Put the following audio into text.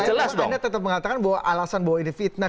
jelas anda tetap mengatakan bahwa alasan bahwa ini fitnah